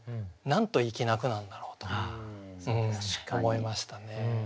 なんと粋な句なんだろうと思いましたね。